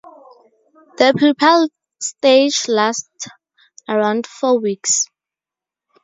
The pupal stage lasts around four weeks.